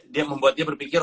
dia membuat dia berpikir